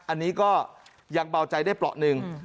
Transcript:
อันนี้ก็ยังเบาใจได้เปราะหนึ่ง